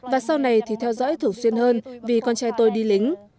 và sau này thì theo dõi thường xuyên hơn vì con trai tôi đi lính